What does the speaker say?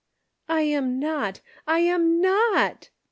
"I am not, I am not!"